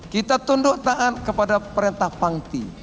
kita tunduk taat kepada perintah pangti